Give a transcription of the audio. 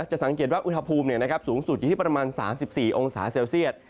จะสังเกตว่าอุณหภูมิสูงสุดอยู่ที่ประมาณ๓๔องศาเซลเซียต